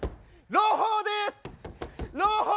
朗報です！